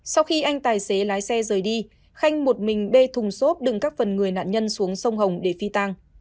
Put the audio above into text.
sau khi anh tài xế lái xe rời đi khanh một mình bê thùng xốp đựng các phần người nạn nhân xuống sông hồng để phi tang